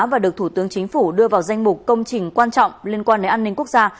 và được thủ tướng chính phủ đưa vào danh mục công trình quan trọng liên quan đến an ninh quốc gia